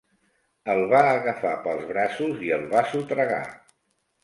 El va agafar pels braços i el va sotragar.